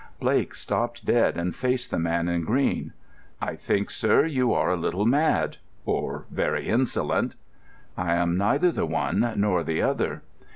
Blake stopped dead and faced the man in green. "I think, sir, you are a little mad—or very insolent." "I am neither the one nor the other."